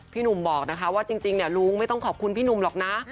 พี่หนุ่มบอกนะคะว่าจริงลุงไม่ต้องขอบคุณพี่หนุ่มหรอกนะ